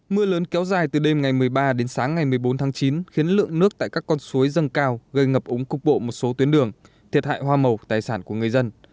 mưa lớn kéo dài từ đêm ngày một mươi ba đến sáng ngày một mươi bốn tháng chín khiến lượng nước tại các con suối dâng cao gây ngập úng cục bộ một số tuyến đường thiệt hại hoa màu tài sản của người dân